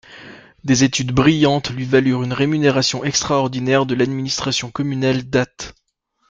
Des études brillantes lui valurent une rémunération extraordinaire de l'administration communale d'Ath.